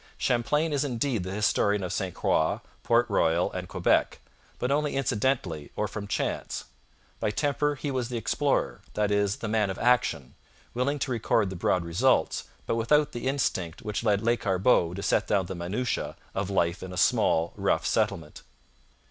Champlain is indeed the historian of St Croix, Port Royal, and Quebec, but only incidentally or from chance. By temper he was the explorer, that is, the man of action, willing to record the broad results, but without the instinct which led Lescarbot to set down the minutiae of life in a small, rough settlement.